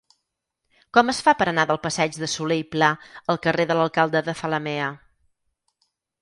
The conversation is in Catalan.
Com es fa per anar del passeig de Solé i Pla al carrer de l'Alcalde de Zalamea?